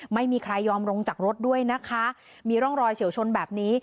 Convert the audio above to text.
ไม่ยอมลงจากรถด้วยนะคะมีร่องรอยเฉียวชนแบบนี้